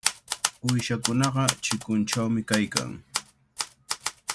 Uyshakunaqa chikunchawmi kaykan.